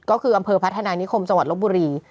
ก็คืออำเภอพัฒนานิคมจังหวัดลบบุรี